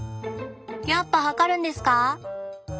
やっぱ測るんですか？